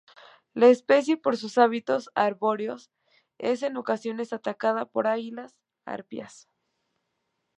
La especie por sus hábitos arbóreos es en ocasiones atacada por águilas arpías.